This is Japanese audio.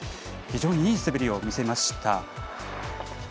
非常にいい滑りを見せました。